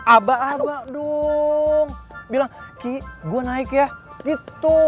abah abah dong bilang ki gue naik ya gitu